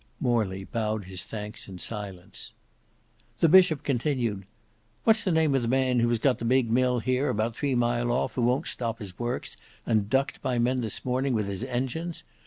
Morley bowed his thanks in silence. The Bishop continued—"What's the name of the man who has got the big mill here, about three mile off, who won't stop his works and ducked my men this morning with his engines.